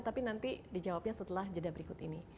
tapi nanti dijawabnya setelah jeda berikut ini